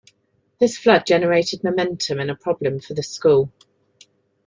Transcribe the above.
This flood generated momentum and a problem for the school.